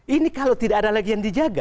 ini kalau tidak ada lagi yang dijaga